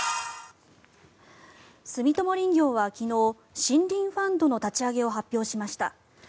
住友林業は昨日森林ファンドの立ち上げを発表しました。